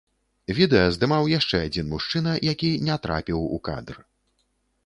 Відэа здымаў яшчэ адзін мужчына, які не трапіў у кадр.